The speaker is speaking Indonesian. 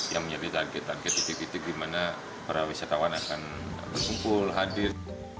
yang menjadi target target titik titik di mana para wisatawan akan berkumpul hadir